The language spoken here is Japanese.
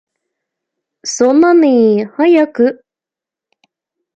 そんなに早く？